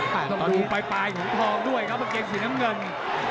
ต้องดูปลายของทองด้วยครับเกมสีน้ำเงิน